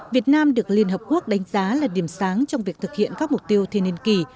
việt nam được liên hợp quốc đánh giá là điểm sáng trong việc thực hiện các mục tiêu thiên niên kỳ